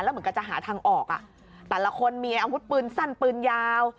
เหมือนกันจะหาทางออกอ่ะแต่ละคนมีอาวุธปืนสั้นปืนยาว